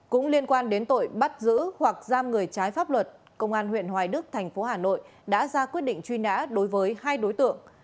cũng liên quan đến tội bắt giữ hoặc giam người trái pháp luật công an huyện hoài đức thành phố hà nội đã ra quyết định truy nã đối với hai đối tượng